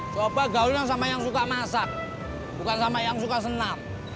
coba gaul sama yang suka masak bukan sama yang suka senam